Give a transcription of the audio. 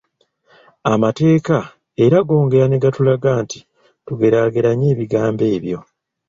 Amateeka era gongera ne gatulaga nti tugeraageranye ebigambo ebyo.